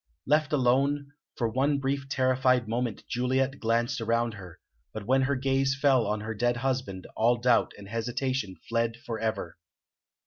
Left alone, for one brief terrified moment Juliet glanced around her, but when her gaze fell on her dead husband all doubt and hesitation fled for ever.